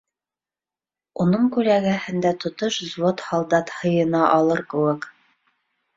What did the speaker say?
Уның күләгәһендә тотош взвод һалдат һыйына алыр кеүек.